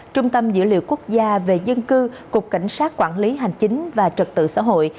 trung tâm dữ liệu quốc gia về dân cư cục cảnh sát quản lý hành chính và trật tự xã hội